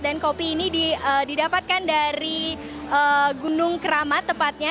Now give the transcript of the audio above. dan kopi ini didapatkan dari gunung keramat tepatnya